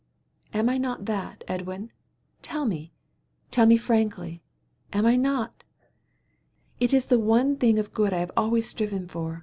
"Am I not that, Edwin? Tell me! Tell me frankly; am I not? It is the one thing of good I have always striven for.